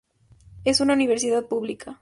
Es una universidad pública.